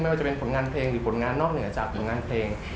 ว่าจะเป็นผลงานเพลงหรือผลงานนอกเหนือจากผลงานเพลง